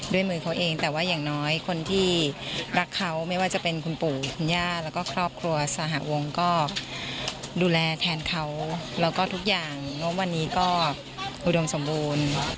ด้วยมือเขาเองแต่ว่าอย่างน้อยคนที่รักเขาไม่ว่าจะเป็นคุณปู่คุณย่าแล้วก็ครอบครัวสหวงก็ดูแลแทนเขาแล้วก็ทุกอย่างรวมวันนี้ก็อุดมสมบูรณ์